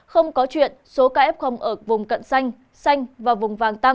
không có chuyện số kf ở vùng cận xanh xanh và vùng vàng tăng